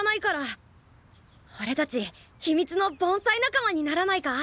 おれたち秘密の盆栽仲間にならないか？